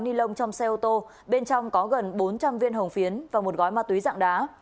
ni lông trong xe ô tô bên trong có gần bốn trăm linh viên hồng phiến và một gói ma túy dạng đá